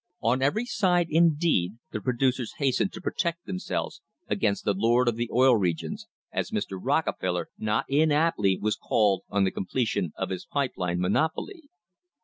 On every side indeed the producers hastened to protect themselves against the Lord of the Oil Regions, as Mr. Rocke feller, not inaptly, was called, on the completion of his pipe line monopoly.